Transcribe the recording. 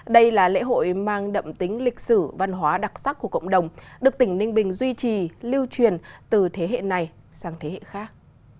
đây là lễ hội mang đậm tính lịch sử văn hóa đặc sắc của cộng đồng được tỉnh ninh bình duy trì lưu truyền từ thế hệ này sang thế hệ khác